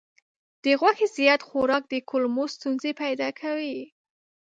د غوښې زیات خوراک د کولمو ستونزې پیدا کوي.